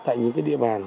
tại những địa bàn